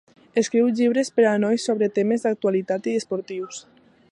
Escriu llibres per a nois sobre temes d'actualitat i esportius.